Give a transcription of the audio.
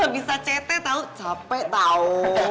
bisa cete tahu capek tahu